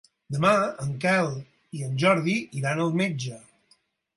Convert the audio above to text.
Demà en Quel i en Jordi iran al metge.